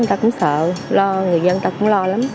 người ta cũng sợ lo người dân người ta cũng lo lắm